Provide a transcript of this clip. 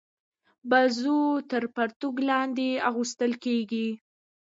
برزو تر پرتوګ لاندي اغوستل کيږي.